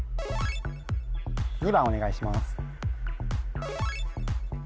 ２番お願いします